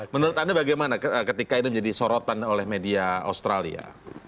menurut anda bagaimana ketika itu menjadi sorotan oleh media australia